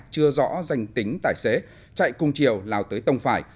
chưa rõ danh tính tài xế chạy cùng chiều lào tới tông phải